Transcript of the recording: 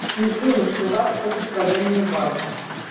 Не дзіўна, што ў вас хочуць ваенную базу.